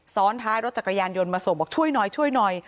ซ้อนท้ายรถจักรยานยนต์มาส่งบอกช่วยหน่อยช่วยหน่อย